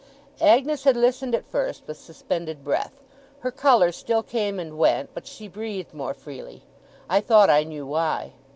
Agnes had listened at first with suspended breath. Her colour still came and went, but she breathed more freely. I thought I knew why.